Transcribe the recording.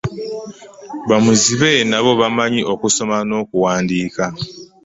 Bamuzibe nabo bamanyi okusoma n'okuwandiika.